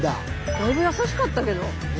だいぶ優しかったけど。